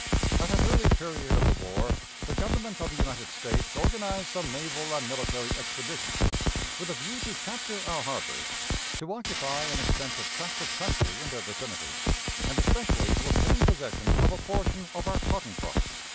At an early period of the war the Government of the United States organized some naval and military expeditions, with a view to capture our harbors, to occupy an extensive tract of country in their vicinity, and especially to obtain possession of a portion of our cotton crop.